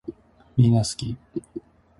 みんなすき